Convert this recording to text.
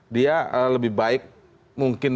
dia lebih baik mungkin